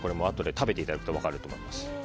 あとで食べていただくと分かると思います。